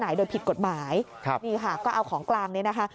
นี่ค่ะก็เอาของกลางนี้นะคะ